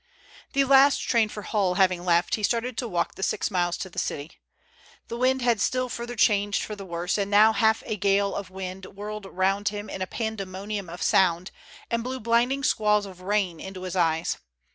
The last train for Hull having left, he started to walk the six miles to the city. The weather had still further changed for the worse, and now half a gale of wind whirled round him in a pandemonium of sound and blew blinding squalls of rain into his eyes.